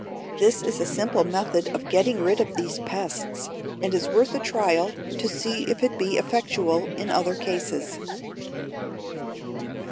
This is a simple method of getting rid of these pests, and is worth a trial to see if it be effectual in other cases.